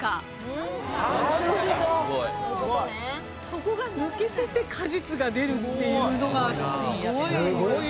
そこが抜けてて「かじつ」が出るっていうのがすごい。